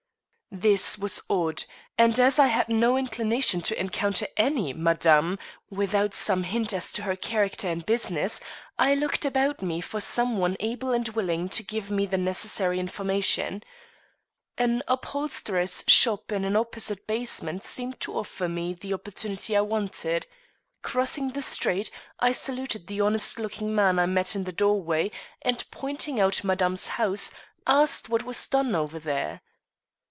This was odd; and as I had no inclination to encounter any "madame" without some hint as to her character and business, I looked about me for some one able and willing to give me the necessary information. An upholsterer's shop in an opposite basement seemed to offer me the opportunity I wanted. Crossing the street, I saluted the honest looking man I met in the doorway, and pointing out madame's house, asked what was done over there.